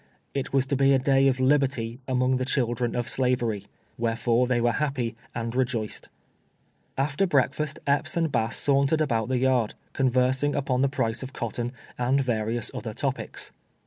It was to be a day of liherty among the children of Slavery. Wherefore they were hapi)y, and rejoiced. After breakfast Epps and Bass sauntered about the yard, conversing upon the price of cotton, and va rious other .topics.